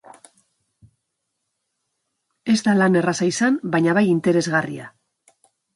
Ez da lan erraza izan, baina, bai, interesgarria.